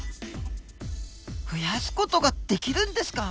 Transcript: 増やす事ができるんですか？